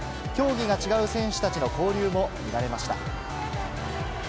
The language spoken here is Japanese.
競技が違う選手たちの交流も見られました。